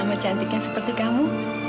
sama cantiknya seperti kamu